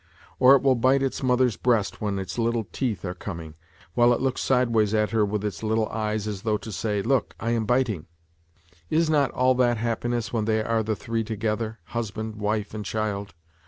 Or it will bite its mother's breast when its little teeth are coming, while it looks sideways at her with its little eyes as though to say, ' Look, I am biting !' Is not all that happiness when they are the three together, husband, wife and child